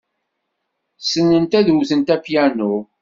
Ssnent ad wtent apyanu.